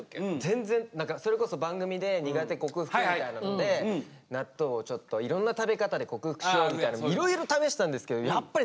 全然それこそ番組で苦手克服みたいなので納豆をちょっといろんな食べ方で克服しようみたいないろいろ試したんですけどやっぱりダメで。